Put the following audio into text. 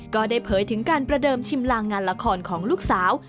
ก็ได้เผยถึงการประเดิมชิมลางงานละครของลูกสาว